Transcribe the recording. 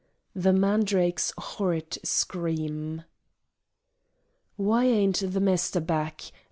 The Mandrake's Horrid Scream Why ain't the Mester back?